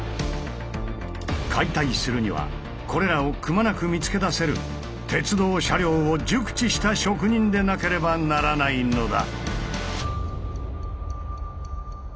解体するにはこれらをくまなく見つけ出せる鉄道車両を熟知した職人でなければならないのだ！